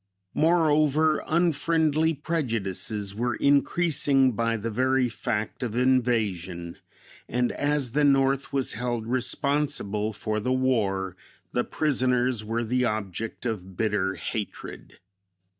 Moreover, unfriendly prejudices were increasing by the very fact of invasion, and as the North was held responsible for the war, the prisoners were the object of bitter hatred.